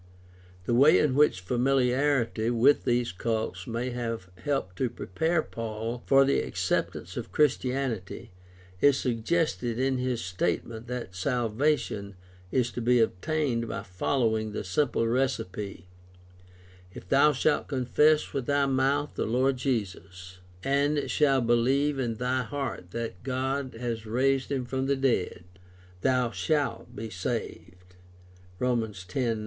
The way in which familiarity with these cults may have helped to prepare Paul for the acceptance of Christianity is suggested in his statement that salvation is to be obtained by following the simple recipe: "If thou shalt confess with thy mouth Jesus as Lord, and shalt beHeve in thy heart that God raised him from the dead, thou shalt be saved" (Rom. 10:9).